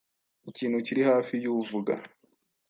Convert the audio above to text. ikintu kiri hafi y’uvuga.